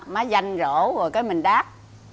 má danh rổ rồi cái mình đát